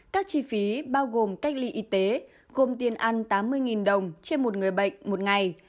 các chi phí bao gồm cách ly y tế gồm tiền ăn tám mươi đồng trên một người bệnh một ngày